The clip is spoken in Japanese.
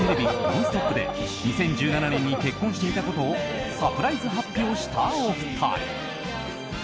「ノンストップ！」で２０１７年に結婚していたことをサプライズ発表したお二人。